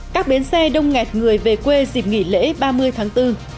các bến xe đông ngẹt người về quê dịp nghỉ lễ ba mươi tháng bốn